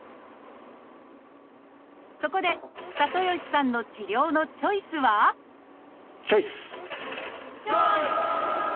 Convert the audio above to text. そこで里吉さんの治療のチョイスはチョイス！